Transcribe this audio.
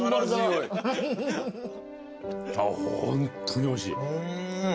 ホントにおいしい。